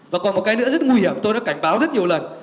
và còn một cái nữa rất nguy hiểm tôi đã cảnh báo rất nhiều lần